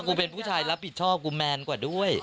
กูเป็นผู้ชายรับผิดชอบกูแมนกว่าด้วย